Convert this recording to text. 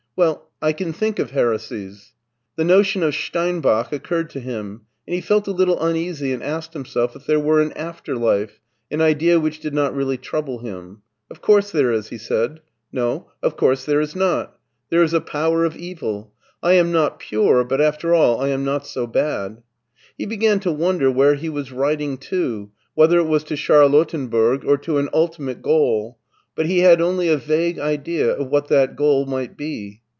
Well, I can think of heresies." The notion of Stein bach occurred to him, and he felt a little uneasy and asked himself if there were an after life, an idea which did not really trouble him. " Of course there is," he said. " No, of course there is not. There is a power of evil. I am not pure, but after all I am not so bad " He began to wonder where he was riding to, whether it was to Charlottenburg or to an ultimate goal, but he had only a vague idea of what that goal might be.